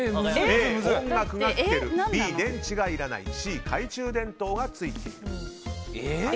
Ａ、音楽が聴けるＢ、電池がいらないＣ、懐中電灯がついている。